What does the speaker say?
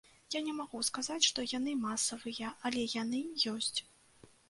Я не магу сказаць, што яны масавыя, але яны ёсць.